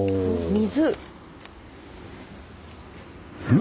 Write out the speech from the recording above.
水？